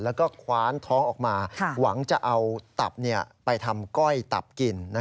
แล้วก็คว้านท้องออกมาหวังจะเอาตับไปทำก้อยตับกิน